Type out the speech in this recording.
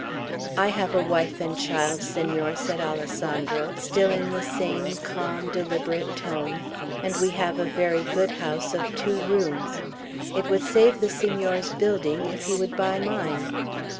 "I have a wife and child, Senor," said Alessandro, still in the same calm, deliberate tone; "and we have a very good house of two rooms. It would save the Senor's building, if he would buy mine."